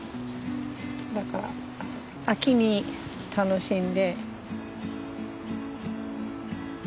だから秋に楽しんで。